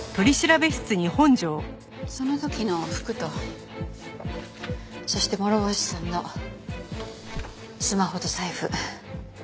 その時の服とそして諸星さんのスマホと財布。